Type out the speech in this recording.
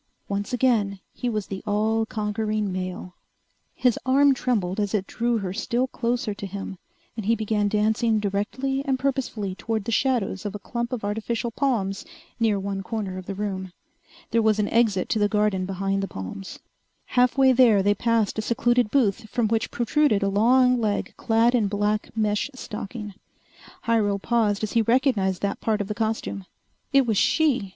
Once again he was the all conquering male. His arm trembled as it drew her still closer to him and he began dancing directly and purposefully toward the shadows of a clump of artificial palms near one corner of the room. There was an exit to the garden behind the palms. Half way there they passed a secluded booth from which protruded a long leg clad in black mesh stocking. Hyrel paused as he recognized that part of the costume. It was she!